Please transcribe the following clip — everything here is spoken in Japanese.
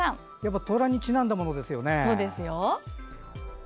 やっぱりトラにちなんだものですよね。